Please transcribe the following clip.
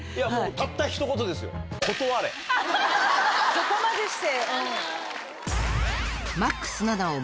そこまでして。